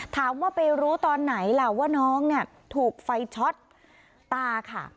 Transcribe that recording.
ถามว่าไปรู้ตอนไหนล่ะว่าน้องเนี่ยถูกไฟช็อตตาค่ะ